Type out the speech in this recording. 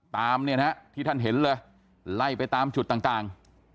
ตามเนี่ยนะฮะที่ท่านเห็นเลยไล่ไปตามจุดต่าง